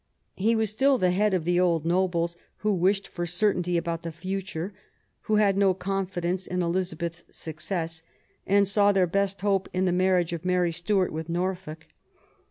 He was still the head of the old nobles, who wished for certainty about the future, who had no confidence in Elizabeth's success, and saw their best hope in the marriage of Mary Stuart with Norfolk.